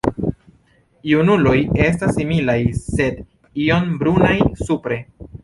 Junuloj estas similaj sed iom brunaj supre.